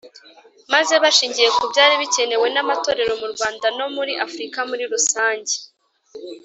maze bashingiye ku byari bikenewe n’amatorero mu Rwanda no muri Afurika muri rusange,